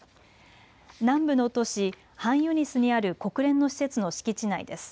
南部の都市ハンユニスにある国連の施設の敷地内です。